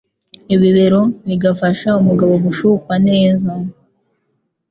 ibi rero bigafasha umugabo gushyukwa neza.